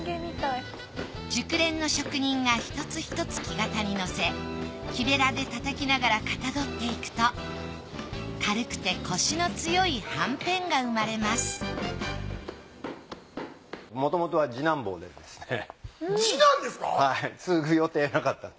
熟練の職人がひとつひとつ木型にのせ木べらでたたきながらかたどっていくと軽くてコシの強いはんぺんが生まれます次男ですか。